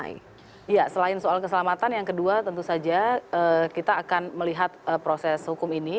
iya selain soal keselamatan yang kedua tentu saja kita akan melihat proses hukum ini